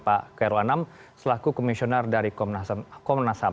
pak kairul anam selaku komisioner dari komnas ham